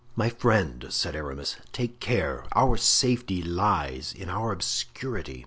"My friend," said Aramis, "take care; our safety lies in our obscurity.